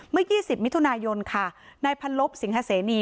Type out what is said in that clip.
เมื่อ๒๐มิถุนายนค่ะนายพันลบสิงหาเสนี